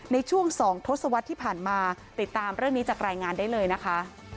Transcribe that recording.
ในช่วง๒ทศวรรษที่ผ่านมาติดตามเรื่องนี้จากรายงานได้เลยนะคะ